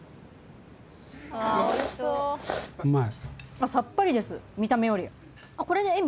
うまい？